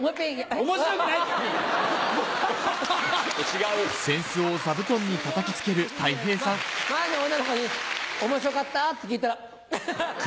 すごい！前の女の子に「面白かった？」って聞いたら。